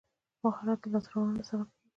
مهارت د لاسته راوړنو سبب کېږي.